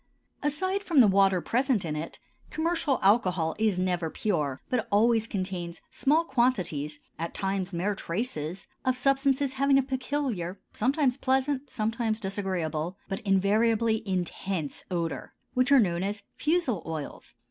Aside from the water present in it, commercial alcohol is never pure, but always contains small quantities, at times mere traces, of substances having a peculiar, sometimes pleasant, sometimes disagreeable, but invariably intense odor, which are known as fusel oils.